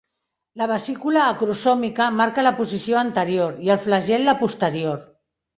La vesícula acrosòmica marca la posició anterior i el flagel la posterior.